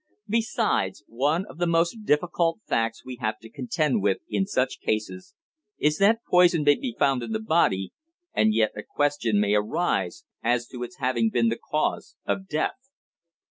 Besides, one of the most difficult facts we have to contend with in such cases is that poison may be found in the body, and yet a question may arise as to its having been the cause of death.